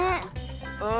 うん。